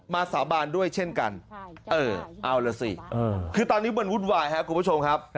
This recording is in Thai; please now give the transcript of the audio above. สาบานด้วยเช่นกันเออเอาล่ะสิคือตอนนี้มันวุ่นวายครับคุณผู้ชมครับ